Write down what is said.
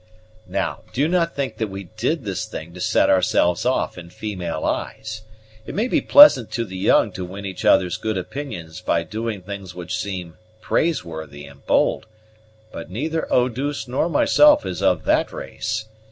"Now, do not think that we did this thing to set ourselves off in female eyes. It may be pleasant to the young to win each other's good opinions by doing things which may seem praiseworthy and bold; but neither Eau douce nor myself is of that race.